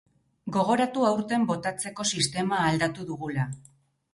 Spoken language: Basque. Gogoratu aurten botatzeko sistema aldatu dugula.